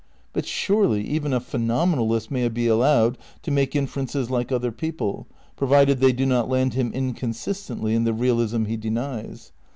But surely even a phenomenalist may be allowed to make inferences like other people, provided they do not land him inconsistently in the realism he denies.